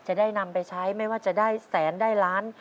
จะได้นำไปใช้ไม่ว่าจะได้แสนได้ล้าน